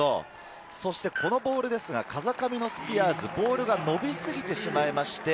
このボールですが、風上のスピアーズ、ボールが伸びすぎてしまいました。